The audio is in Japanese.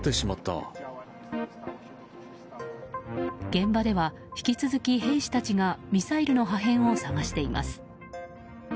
現場では引き続き兵士たちがミサイルの破片を探しています。